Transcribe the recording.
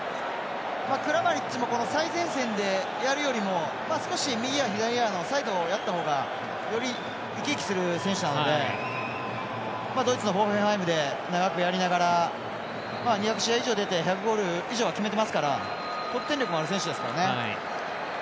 クラマリッチも最前線でやるよりも少し右や、左やサイドをやったほうがより生き生きする選手なのでドイツのクラブで長くやりながら２００試合以上、出て１００ゴール以上は決めてますから得点力もある選手ですからね。